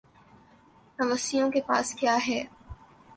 حوثیوں کے پاس کیا ہے؟